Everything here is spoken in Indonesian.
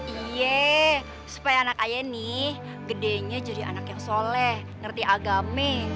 iya supaya anak ayah ini gedenya jadi anak yang soleh ngerti agame